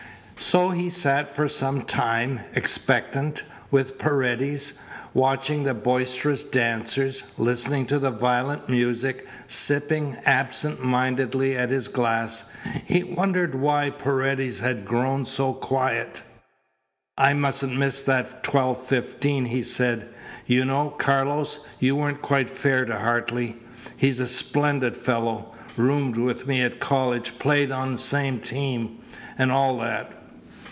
So he sat for some time, expectant, with Paredes, watching the boisterous dancers, listening to the violent music, sipping absent mindedly at his glass. He wondered why Paredes had grown so quiet. "I mustn't miss that twelve fifteen," he said, "You know, Carlos, you weren't quite fair to Hartley. He's a splendid fellow. Roomed with me at college, played on same team, and all that.